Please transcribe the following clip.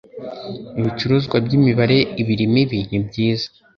Ibicuruzwa byimibare ibiri mibi nibyiza.